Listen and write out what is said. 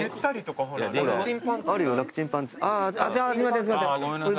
ああっすいませんすいません。